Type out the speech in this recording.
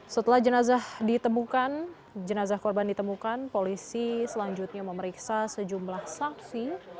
setelah jenazah ditemukan jenazah korban ditemukan polisi selanjutnya memeriksa sejumlah saksi